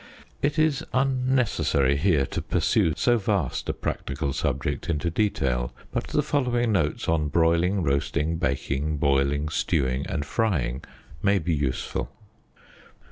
It is unnecessary here to pursue so vast a practical subject into detail; but the following notes on broiling, roasting, baking, boiling, stewing and frying may be useful.